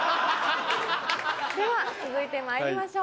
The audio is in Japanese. では続いてまいりましょう。